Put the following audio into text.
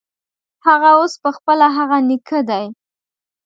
هغه اوس پخپله هغه نیکه دی.